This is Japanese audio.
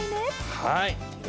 はい！